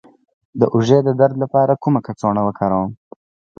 د اوږې د درد لپاره کومه کڅوړه وکاروم؟